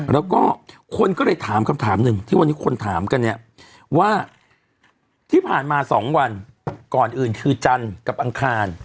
และคนก็ถามคำถามที่วันนี้คือว่าที่ผ่านมา๒วันก่อนอื่นที่จันทร์กับอังคาร